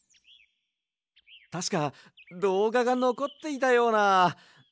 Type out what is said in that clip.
たしかどうががのこっていたような。